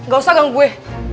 gak usah gang gue